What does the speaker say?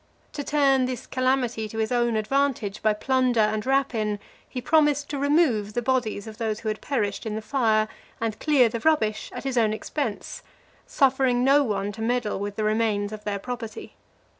To turn this calamity to his own advantage by plunder and rapine, he promised to remove the bodies of those who had perished in the fire, and clear the rubbish at his own expense; suffering no one to meddle with the remains of their property.